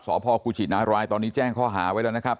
สพกุชินารายตอนนี้แจ้งข้อหาไว้แล้วนะครับ